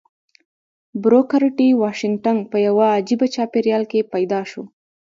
بروکر ټي واشنګټن په يوه عجيبه چاپېريال کې پيدا شو.